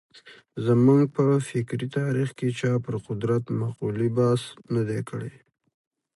زموږ په فکري تاریخ کې چا پر قدرت مقولې بحث نه دی کړی.